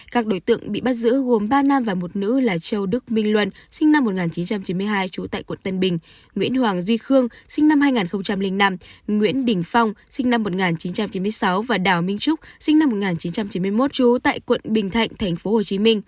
các đối tượng bị bắt giữ gồm ba nam và một nữ là châu đức minh luân sinh năm một nghìn chín trăm chín mươi hai trú tại quận tân bình nguyễn hoàng duy khương sinh năm hai nghìn năm nguyễn đình phong sinh năm một nghìn chín trăm chín mươi sáu và đào minh trúc sinh năm một nghìn chín trăm chín mươi một trú tại quận bình thạnh tp hcm